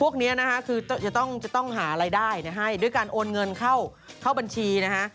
คือจะต้องหารายได้ให้ด้วยการโอนเงินเข้าบัญชีนะฮะ